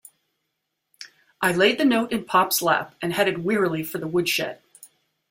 I laid the note in Pop's lap and headed wearily for the woodshed.